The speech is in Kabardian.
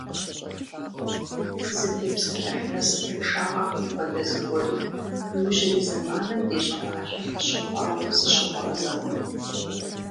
Дызытепсэлъыхь насыпыншагъэхэм хуэдэ зыгуэри иужьрей зэманым ди щӀыналъэм къыщыхъуауэ сыщыгъуазэкъым.